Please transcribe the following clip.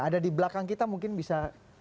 ada di belakang kita mungkin bisa